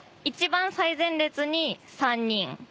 一番最前列に３人。